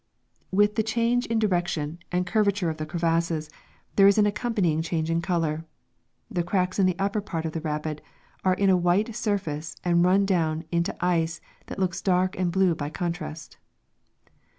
With the change in direction and curvature of the crevasses, there is an accompanying change in color. The cracks in the upper part of the rapid are in a white surface and run down into ice that looks dark and blue by contrast.